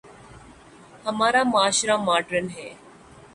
ہمارا معاشرہ ماڈرن ہے۔